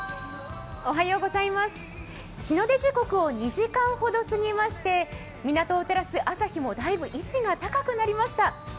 日の出時刻を２時間ほど過ぎまして港を照らす朝日もだいぶ位置が高くなりました。